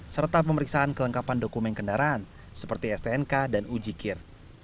serta pemeriksaan kelengkapan dokumen kendaraan seperti stnk dan ujikir